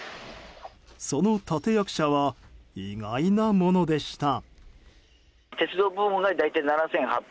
その立役者は意外なものでした。